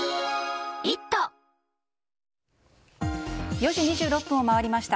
４時２６分を回りました。